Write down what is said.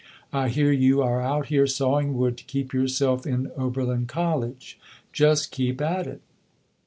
I hear you are out here sawing wood to keep yourself in Oberlin College. Just keep at it".